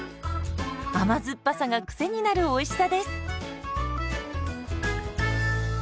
甘酸っぱさがクセになるおいしさです。